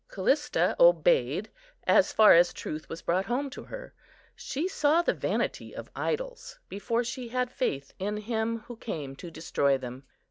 Callista obeyed, as far as truth was brought home to her. She saw the vanity of idols before she had faith in Him who came to destroy them.